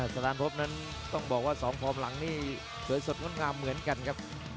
สถานพบนั้นต้องบอกว่า๒พร้อมหลังนี่เผื่อสดมันมาเหมือนกันครับ